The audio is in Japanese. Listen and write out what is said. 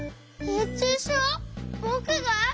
ぼくが？